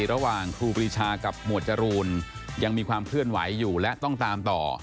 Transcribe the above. ครูปรีชากับหมวดจรูนยังมีความเคลื่อนไหวอยู่และต้องตามต่อ